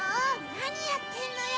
なにやってんのよ！